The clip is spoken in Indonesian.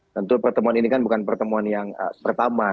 tentu pertemuan ini kan bukan pertemuan yang pertama